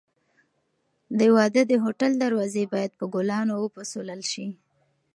د واده د هوټل دروازې باید په ګلانو وپسولل شي.